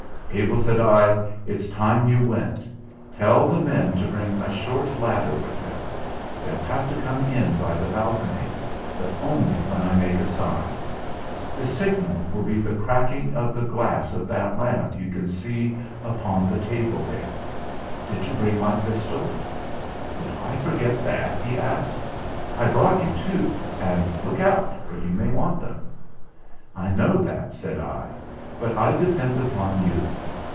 'Abel,' I said, 'it's time you went. Tell the men to bring a short ladder with them. They'll have to come in by the balcony—but only when I make a sign. The signal will be the cracking of the glass of that lamp you can see upon the table there. Did you bring my pistol?' 'Would I forget that?' he asked; 'I brought you two, and look out! for you may want them.' 'I know that,' said I, 'but I depend upon you.